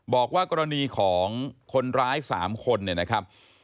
บอกว่ากรณีของคนร้าย๓คนเนี่ยนะครับ